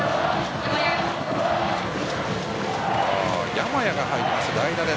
山谷が入ります、代打。